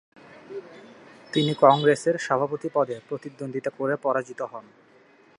তিনি কংগ্রেসের সভাপতি পদে প্রতিদ্বন্দ্বিতা করে পরাজিত হন।